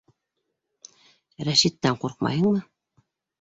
— Рәшиттән ҡурҡмайһыңмы?